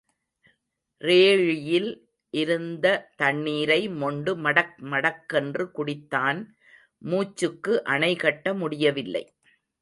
ரேழியில் இருந்த தண்ணீரை மொண்டு மடக் மடக் கென்று குடித்தான் மூச்சுக்கு அணைகட்ட முடியவில்லை.